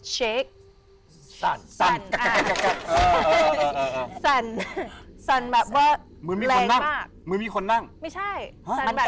เชคสั่นสั่นสั่นแบบว่ามึงมีคนนั่งมึงมีคนนั่งไม่ใช่มันกระเยาเลย